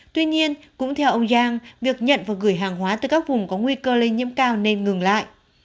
tuy nhiên cũng theo ông giang việc nhận và gửi hàng hóa từ các vùng có nguy cơ lây nhiễm cao nên ngừng lại